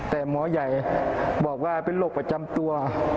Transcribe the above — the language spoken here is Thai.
แต่หมอใหญ่บอกว่าเป็นโรคประจำตัว